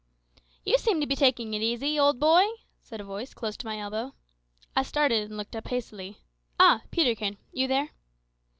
"You seem to be taking it easy, old boy," said a voice close to my elbow. I started, and looked up hastily. "Ah! Peterkin. You there?"